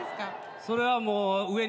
それはもう。